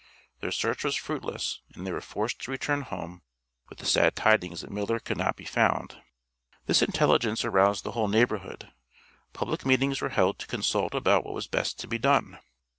Their search was fruitless, and they were forced to return home with the sad tidings that Miller could not be found. This intelligence aroused the whole neighborhood; public meetings were held to consult about what was best to be done.